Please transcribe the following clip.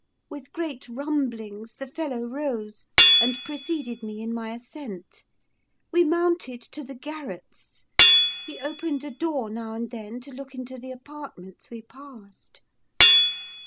With great grumblings, the fellow rose, and preceded me in my ascent: we mounted to the garrets; he opened a door, now and then, to look into the apartments we passed.